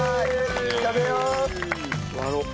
食べよう！